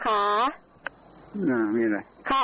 อย่างงี้แหละ